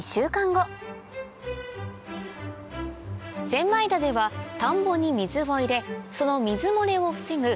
千枚田では田んぼに水を入れその水漏れを防ぐ